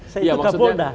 saya itu kapolda